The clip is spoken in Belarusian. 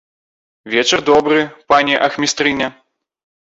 Вечар добры, пані ахмістрыня!